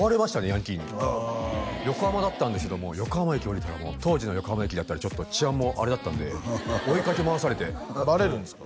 ヤンキーに横浜だったんですけど横浜駅降りたら当時の横浜駅ちょっと治安もあれだったんで追いかけ回されてバレるんですか？